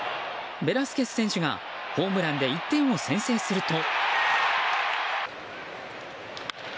ベラスケス選手がホームランで１点を先制すると。